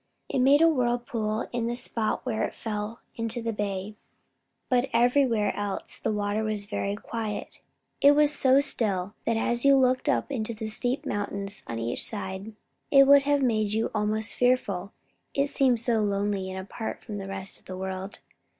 It made a whirlpool in the spot where it fell into the bay. But everywhere else the water was very quiet. It was so still, that as you looked up to the steep mountains on each side, it would have made you almost fearful, it seemed so lonely and apart from the rest of the world.